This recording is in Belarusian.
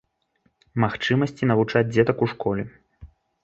Магчымасці навучаць дзетак у школе.